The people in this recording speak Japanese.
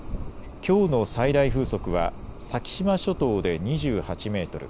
きょうの最大風速は先島諸島で２８メートル